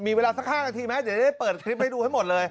มีเวลาสัก๕นาทีไหมเดี๋ยวจะได้เปิดคลิปให้ดูให้หมดเลย